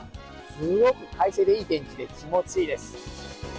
すごく快晴で、いい天気で気持ちいいです。